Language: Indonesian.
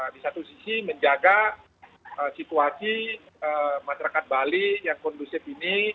di satu sisi menjaga situasi masyarakat bali yang kondusif ini